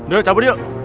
udah cabut yuk